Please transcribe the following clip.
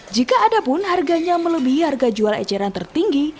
jika ada pun harganya melebihi harga jual eceran tertinggi